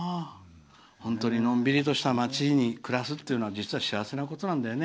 本当にのんびりとした町に暮らすのは実は幸せなことなんだよね。